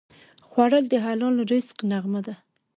خوړل د حلال رزق نغمه ده